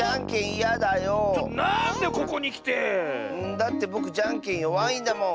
だってぼくじゃんけんよわいんだもん。